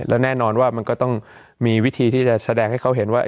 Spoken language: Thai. แล้วแน่นอนว่ามันก็ต้องมีวิธีที่จะแสดงให้เขาเห็นว่า